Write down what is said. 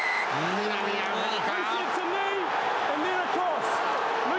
南アフリカ！